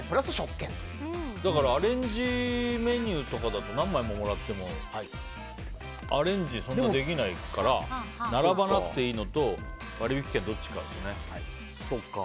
だからアレンジメニューとかだと何枚ももらってもアレンジ、そんなにできないから並ばなくていいのと割引券のどっちかですね。